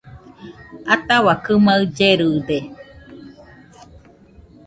Ataua kɨmaɨ llerɨde